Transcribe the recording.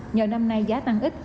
nhờ năm nay giá tăng ít